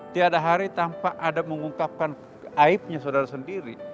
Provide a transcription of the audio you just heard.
tiada hari tanpa ada mengungkapkan aibnya saudara sendiri